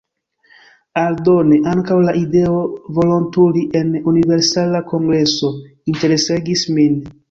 Aldone, ankaŭ la ideo volontuli en Universala Kongreso interesegis min.